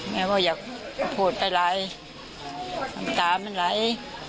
แม่ว่าอยากพูดได้ไหลตามันไหล